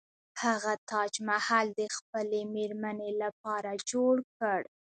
هغه تاج محل د خپلې میرمنې لپاره جوړ کړ.